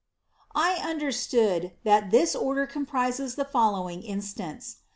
I understood, that this order comprises the follow ing instants.